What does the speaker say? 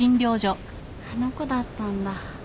あの子だったんだ。